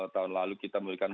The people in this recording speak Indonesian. tahun lalu kita memberikan